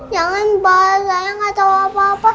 jangan pak saya nggak tahu apa apa